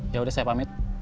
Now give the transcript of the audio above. ya udah saya pamit